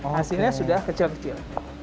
hasilnya sudah kecil kecil